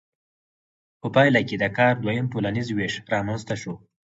په پایله کې د کار دویم ټولنیز ویش رامنځته شو.